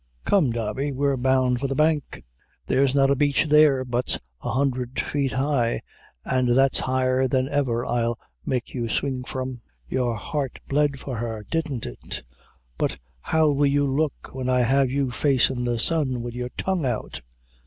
Come, Darby, we're bound for the Bank; there's not a beech there but's a hundred feet high, an' that's higher than ever I'll make you swing from. Your heart bled for her, didn't it! but how will you look when I have you facin' the sun, wid your tongue out?"